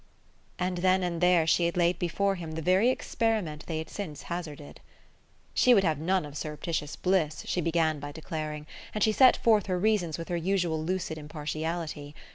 And then and there she had laid before him the very experiment they had since hazarded. She would have none of surreptitious bliss, she began by declaring; and she set forth her reasons with her usual lucid impartiality.